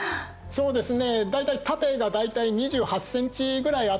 そうですね。